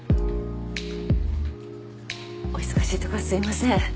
お忙しいところすいません。